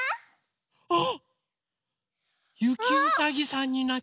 あっ！